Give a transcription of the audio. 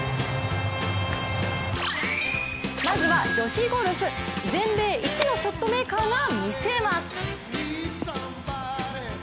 まずは女子ゴルフ、全米一のショットメーカーが見せます！